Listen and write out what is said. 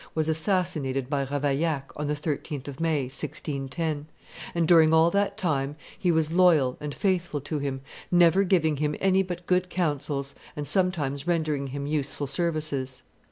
was assassinated by Ravaillac on the 13th of May, 1610], and during all that time he was loyal and faithful to him, never giving him any but good counsels and sometimes rendering him useful services.